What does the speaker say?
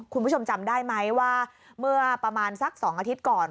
คุณผู้ชมจำได้ไหมว่าเมื่อประมาณสัก๒อาทิตย์ก่อน